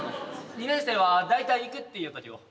２年生は大体行くっていよったけど。